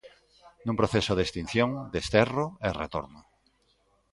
Nun proceso de extinción, desterro e retorno.